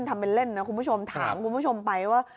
ทำเป็นเล่นนะคุณผู้ชมถามคุณผู้ชมไปว่า